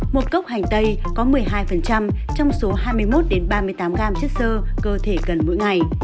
một cốc hành tây có một mươi hai trong số hai mươi một ba mươi tám g chất sơ cơ thể cần mỗi ngày